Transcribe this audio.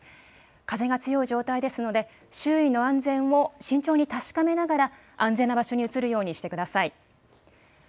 風が強い状態ですので、周囲の安全を慎重に確かめながら、安全な場所に移るようにしてください。